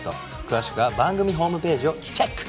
詳しくは番組ホームページをチェック！